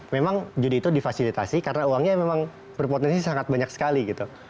memang judi itu difasilitasi karena uangnya memang berpotensi sangat banyak sekali gitu